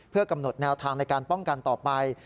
เพื่อกำหนดแนวทางในการป้องกันต่อไป